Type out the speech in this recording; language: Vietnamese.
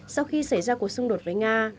sau khi xảy ra cuộc xung đột với nga